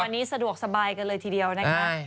ตอนนี้สะดวกสบายกันเลยทีเดียวนะคะ